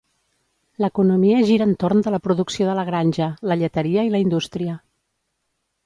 L'economia gira entorn de la producció de la granja, la lleteria i la indústria.